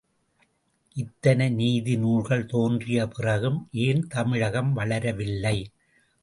இத்தனை நீதிநூல்கள் தோன்றிய பிறகும் ஏன் தமிழகம் வளர வில்லை?